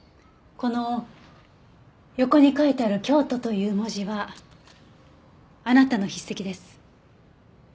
この横に書いてある「京都」という文字はあなたの筆跡です。